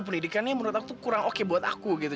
pendidikannya menurut aku kurang oke buat aku gitu